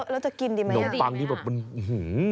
แล้วจะกินดีมั้ยยังดีมั้ยยังอื้อฮือ